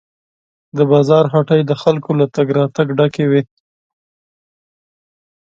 د بازار هټۍ د خلکو له تګ راتګ ډکې وې.